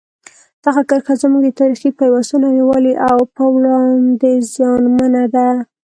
دغه کرښه زموږ د تاریخي پیوستون او یووالي په وړاندې زیانمنه ده.